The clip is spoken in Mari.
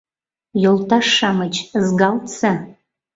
Йолташ-шамыч, ызгалтса